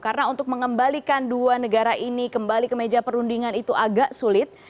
karena untuk mengembalikan dua negara ini kembali ke meja perundingan itu agak sulit